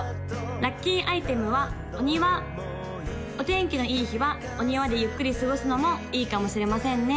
・ラッキーアイテムはお庭お天気のいい日はお庭でゆっくり過ごすのもいいかもしれませんね